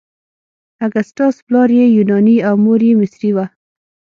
اګسټاس پلار یې یوناني او مور یې مصري وه.